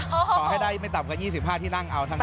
ขอให้ได้ไม่ต่ำกว่า๒๕ที่นั่งเอาเท่านั้น